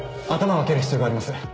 頭を開ける必要があります